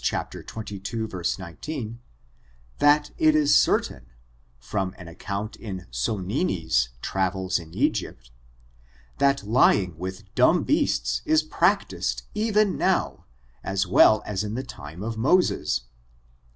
xxii, 19, that it is certain, from an account in SonninVs trav els in Egypt, that lying with dumb beasts is practiced even now, as well as in the time of Moses.